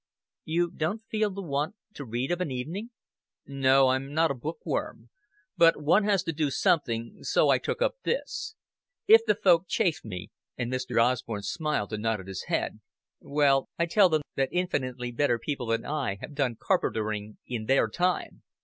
"You don't feel the want to read of an evening?" "No, I'm not a book worm. But one has to do something; so I took up this. If folk chaff me" and Mr. Osborn smiled and nodded his head "well, I tell them that infinitely better people than I have done carpentering in their time.